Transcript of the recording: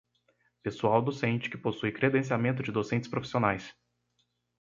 Pessoal docente que possui credenciamento de docentes profissionais.